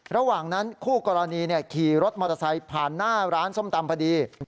ระหว่างนั้นคู่กรณีขี่รถมอเตอร์ไซค์ผ่านหน้าร้านส้มตำพอดี